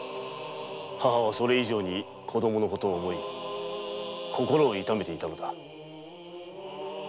母はそれ以上に子供のことを思い心を痛めていたのだ。